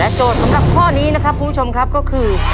โจทย์สำหรับข้อนี้นะครับคุณผู้ชมครับก็คือ